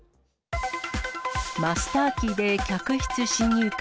マスターキーで客室侵入か。